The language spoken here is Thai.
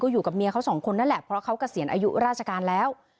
อยู่กับเมียเขาสองคนนั่นแหละเพราะเขาเกษียณอายุราชการแล้ว